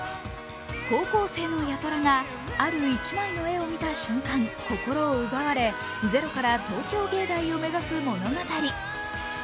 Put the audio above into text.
高校生の八虎がある１枚の絵を見た瞬間、心を奪われゼロから東京藝大を目指す物語。